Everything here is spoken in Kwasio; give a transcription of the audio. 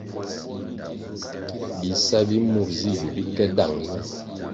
Bisa bi mur zi yu bi ke dáng ñiung.